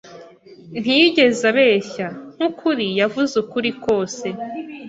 Ntiyigeze abeshya. Nkukuri, yavuze ukuri kose.